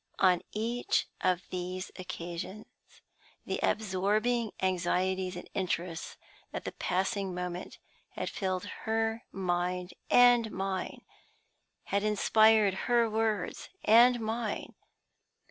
On each of these occasions, the absorbing anxieties and interests of the passing moment had filled her mind and mine, had inspired her words and mine.